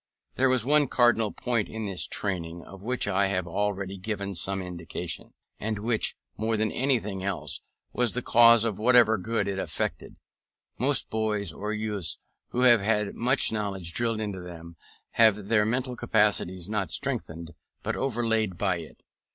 There was one cardinal point in this training, of which I have already given some indication, and which, more than anything else, was the cause of whatever good it effected. Most boys or youths who have had much knowledge drilled into them, have their mental capacities not strengthened, but overlaid by it.